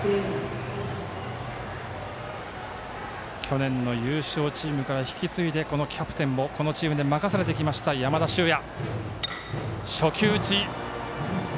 去年の優勝チームから引き継いでキャプテンも、このチームで任されてきた山田脩也。